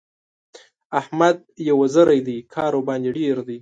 احمد يو وزری دی؛ کار ورباندې ډېر دی.